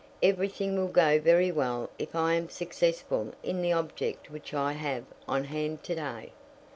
Everything will go very well if I am successful in the object which I have on hand to day."